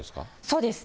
そうです。